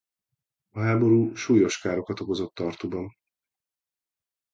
A háború súlyos károkat okozott Tartuban.